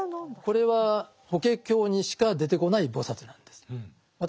これは「法華経」にしか出てこない菩薩なんです。